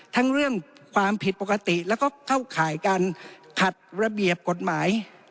เรื่องความผิดปกติแล้วก็เข้าข่ายการขัดระเบียบกฎหมาย